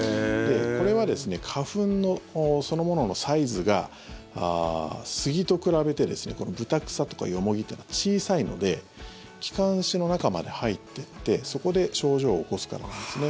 これは花粉そのもののサイズが杉と比べてブタクサとかヨモギというのは小さいので気管支の中まで入ってってそこで症状を起こすからなんですね。